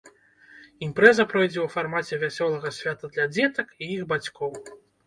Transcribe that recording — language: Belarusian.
Імпрэза пройдзе ў фармаце вясёлага свята для дзетак і іх бацькоў.